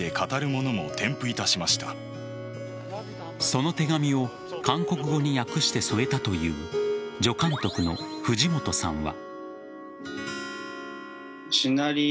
その手紙を韓国語に訳して添えたという助監督の藤本さんは。